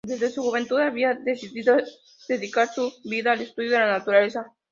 Desde su juventud había decidido dedicar su vida al estudio de la naturaleza.